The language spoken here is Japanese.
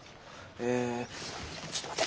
えちょっと待って。